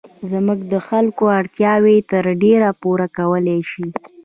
زموږ د خلکو اړتیاوې تر ډېره پوره کولای شي.